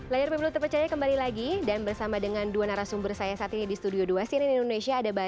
layar pemilu terpercaya kembali lagi dan bersama dengan dua narasumber saya saat ini di studio dua cnn indonesia